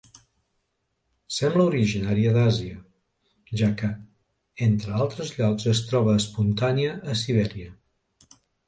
Sembla originària d'Àsia, ja que entre altres llocs es troba espontània a Sibèria.